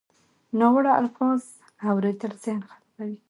ناوړه الفاظ اورېدل ذهن خرابوي.